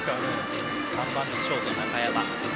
３番ショート、中山。